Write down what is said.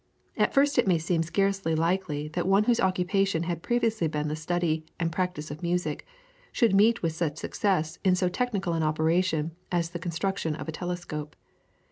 At first it may seem scarcely likely that one whose occupation had previously been the study and practice of music should meet with success in so technical an operation as the construction of a telescope.